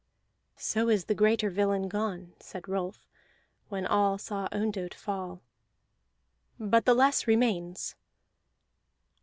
"So is the greater villain gone," said Rolf when all saw Ondott fall, "but the less remains.